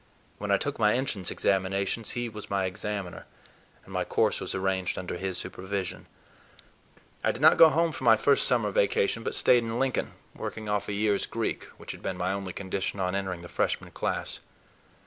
When I took my entrance examinations he was my examiner, and my course was arranged under his supervision. I did not go home for my first summer vacation, but stayed in Lincoln, working off a year's Greek, which had been my only condition on entering the Freshman class.